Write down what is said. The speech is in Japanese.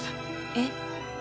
えっ。